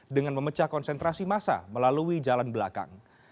dengan memecah konsentrasi masa melalui jalan belakang